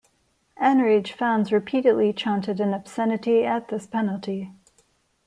Enraged fans repeatedly chanted an obscenity at this penalty.